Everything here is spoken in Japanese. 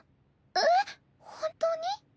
えっ本当に？